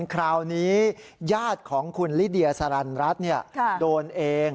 คราวนี้ญาติของคุณลิเดียสรรรัฐโดนเอง